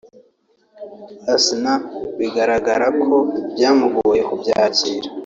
Asnah bigaragara ko byamugoye kubyakira